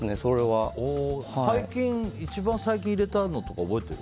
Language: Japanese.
一番最近入れたのって覚えてる？